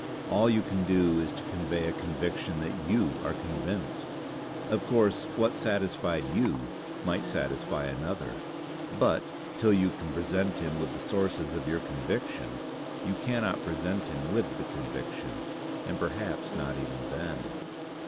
All you can do is to convey a conviction that you are convinced. Of course, what satisfied you might satisfy another; but, till you can present him with the sources of your conviction, you cannot present him with the conviction and perhaps not even then."